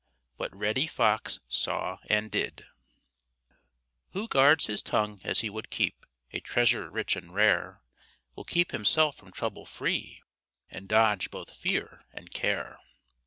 XII WHAT REDDY FOX SAW AND DID Who guards his tongue as he would keep A treasure rich and rare, Will keep himself from trouble free, And dodge both fear and care.